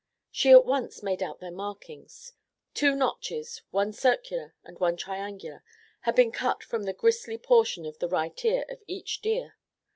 She at once made out their markings. Two notches, one circular and one triangular, had been cut from the gristly portion of the right ear of each deer.